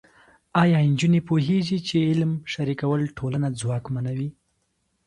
ایا نجونې پوهېږي چې علم شریکول ټولنه ځواکمنوي؟